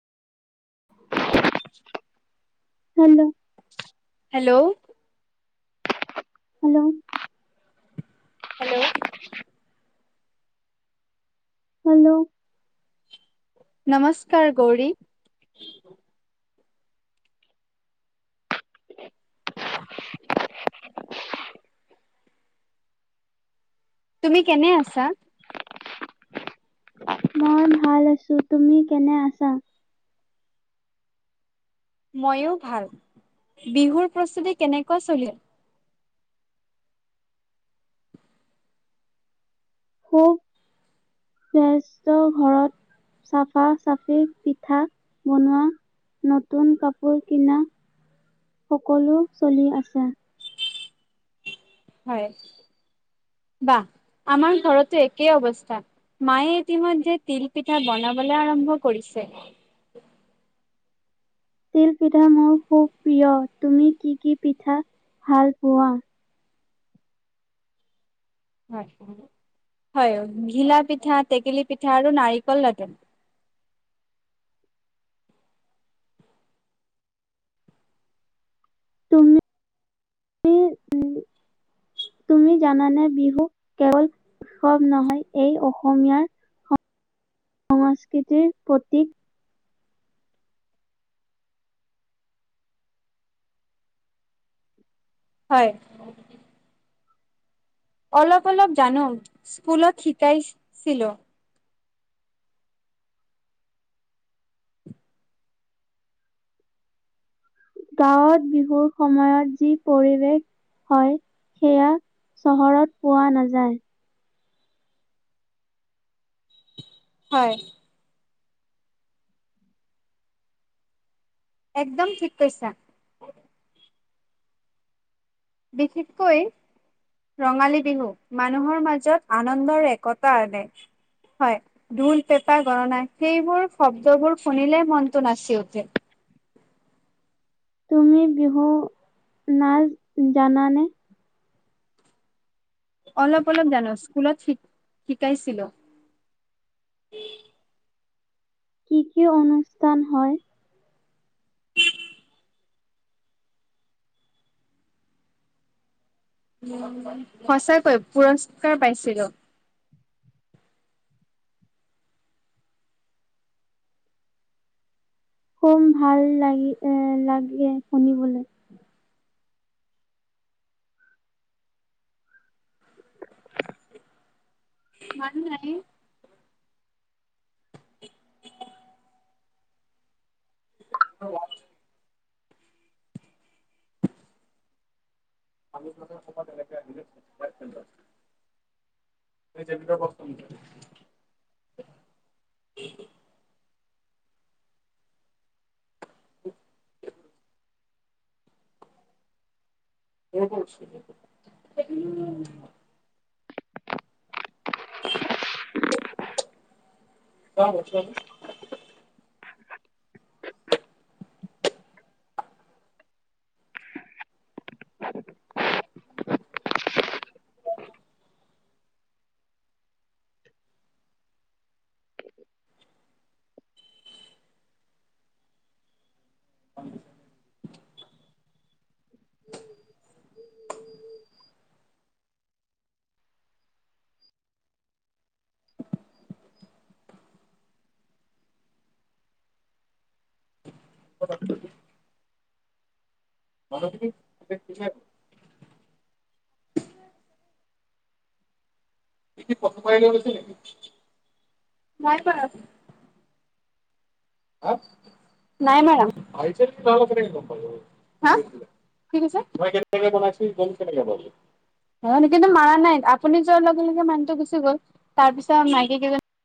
Hello hello hello hello [unintelligible] hello নমস্কাৰ গৌৰি। তুমি কেনে আছা। মই ভাল আছো তুমি কেনে আছা। ময়ো ভাল বিহুৰ প্ৰস্তুতি কেনেকুৱা চলিছে। খুব ব্যসত ঘৰত। চাফা চাফি পিঠা বনোৱা। নতুন কাপোৰ কিনা সকলো চলি আছে। হয় বাহ আমাৰ ঘৰতৈ একেই অৱস্থা। মায়ে ইতিমধ্যে তিল পিঠা বনাবলৈ আৰম্ভ কৰিছে। তিল পিঠা মোৰ খুব প্ৰিয় তুমি কি কি পিঠা ভাল পোৱা। হয় হয় ঘিলা পিঠা টেকেলি পিঠা আৰু নাৰিকল লাৰু। তুমি উ তুমি জানানে বিহু কেৱল। কম নহয় এই অসমীয়াৰ সংস্কৃতিৰ প্ৰতীক হয়। অলপ অলপ জানো স্কুলত শিকাইছিলো। গাঁৱত বিহুৰ সময়ত যি পৰিৱেশ হয়, সেয়া চহৰত পোৱা নাযায়। হয়। একদম ঠিক কৈছা। বিশেষকৈ ৰঙালী বিহু মানুহৰ মাজত আনন্দৰ একতা আনে। হয়, ঢোল পেঁপা গণনা সেইবোৰ শব্দবোৰ শুনিলে মনটো নাচি উঠে। তুমি বিহু নাচ জানানে? অলপ অলপ জানো স্কুলত শি-শিকাইছিলো। কি কি অনুষ্ঠান হয়? সচাকৈ পুৰস্কাৰ পাইছিলো। খোপ ভাল লাগি এ লাগে শুনিবলৈ। মানুহ লাগে। [inaudible] [inaudible] [inaudible] [inaudible] [inaudible] [inaudible] [inaudible] [inaudible] নাই মাৰা। হা কি কৈছে? অ', কিন্তু মাৰা নাই আপুনি যোৱাৰ লগে লগে মানহটো গুচি গ'ল। তাৰ পিছত মাইকী কেইজনী